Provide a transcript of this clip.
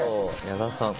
矢田さん。